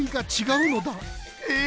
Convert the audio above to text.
え！